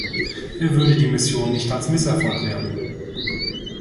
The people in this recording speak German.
Er würde die Mission nicht als Misserfolg werten.